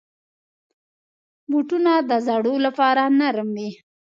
بوټونه د زړو لپاره نرم وي.